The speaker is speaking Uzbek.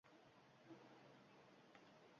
Qancha uvvalo urinmasin qimirlatolmasdi.